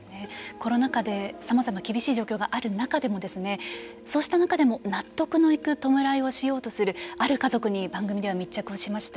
コロナ禍でさまざま厳しい状況がある中でもそうした中でも納得のいく弔いをしようとするある家族に番組では密着をしました。